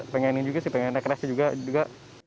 pengen rekres juga